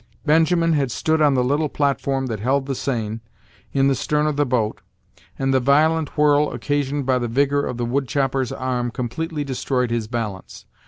Benjamin had stood on the little platform that held the seine, in the stern of the boat, and the violent whirl occasioned by the vigor of the wood chopper's arm completely destroyed his balance.